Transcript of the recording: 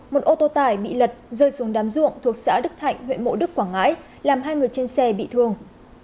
một ô tô tải bị lật rơi xuống đám ruộng thuộc xã đức thạnh huyện mộ đức quảng ngãi làm hai người trên xe bị thương